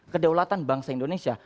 kedaulatan bangsa indonesia